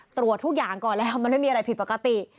ตรวจทุกอย่างก่อนแล้วมันไม่มีอะไรผิดปกติ